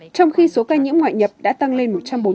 trong khi số ca nhiễm ngoại nhập đã tăng lên một trăm bốn mươi